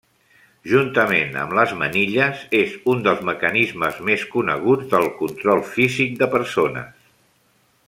Juntament amb les manilles és un dels mecanismes més coneguts de control físic de persones.